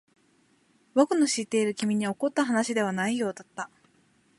僕の知っている君に起こった話ではないようだった。